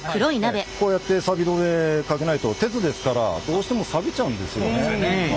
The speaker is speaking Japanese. こうやってさび止めかけないと鉄ですからどうしてもさびちゃうんですよね。